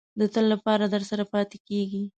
د تل لپاره درسره پاتې کېږي.